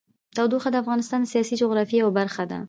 تودوخه د افغانستان د سیاسي جغرافیه یوه برخه ده.